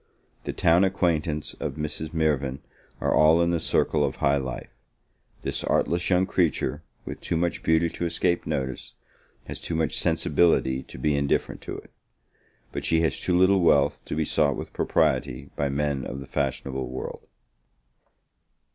The town acquaintance of Mrs. Mirvan are all in the circle of high life; this artless young creature, with too much beauty to escape notice, has too much sensibility to be indifferent to it; but she has too little wealth to be sought with propriety by men of the fashionable world.